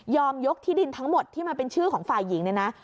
ยกที่ดินทั้งหมดที่มันเป็นชื่อของฝ่ายหญิงเนี่ยนะ